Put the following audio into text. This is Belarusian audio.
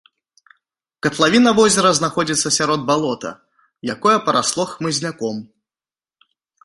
Катлавіна возера знаходзіцца сярод балота, якое парасло хмызняком.